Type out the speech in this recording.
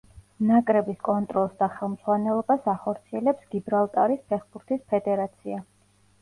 ნაკრების კონტროლს და ხელმძღვანელობას ახორციელებს გიბრალტარის ფეხბურთის ფედერაცია.